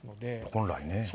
本来ね。